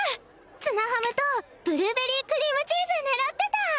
ツナハムとブルーベリークリームチーズ狙ってた！